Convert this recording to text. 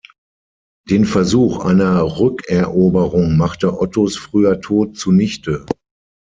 Den Versuch einer Rückeroberung machte Ottos früher Tod zunichte.